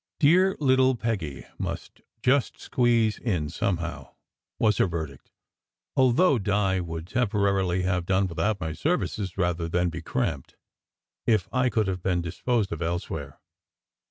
"Dear little Peggy must just squeeze in somehow," was SECRET HISTORY 89 her verdict, although Di would temporarily have done without my services rather than be cramped, if I could have been disposed of elsewhere.